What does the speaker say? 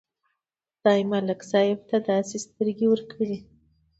خدای ملک صاحب ته داسې سترګې ورکړې.